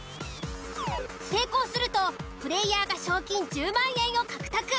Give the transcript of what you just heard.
成功するとプレイヤーが賞金１０万円を獲得。